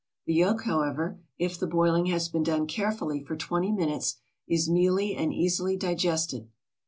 The yolk, however, if the boiling has been done carefully for twenty minutes, is mealy and easily digested.